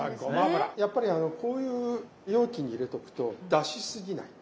やっぱりあのこういう容器に入れとくと出しすぎない。